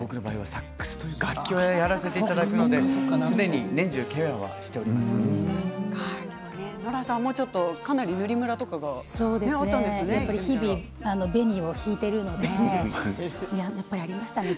僕の場合はサックスという楽器をやらせていただくのでノラさんも、かなり日々、紅を引いているのでやっぱりありましたね。